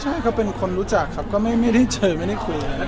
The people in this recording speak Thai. ใช่ก็เป็นคนรู้จักครับก็ไม่ได้เจอไม่ได้คุยอะไร